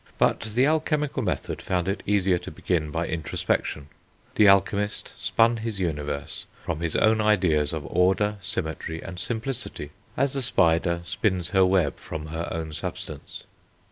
But the alchemical method found it easier to begin by introspection. The alchemist spun his universe from his own ideas of order, symmetry, and simplicity, as the spider spins her web from her own substance.